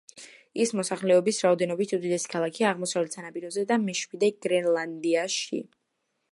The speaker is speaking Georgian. ის მოსახლეობის რაოდენობით უდიდესი ქალაქია აღმოსავლეთ სანაპიროზე და მეშვიდე გრენლანდიაში.